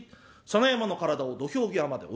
佐野山の体を土俵際まで追い詰める。